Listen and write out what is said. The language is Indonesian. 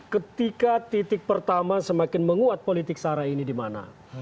ketika titik pertama semakin menguat politik sara ini di mana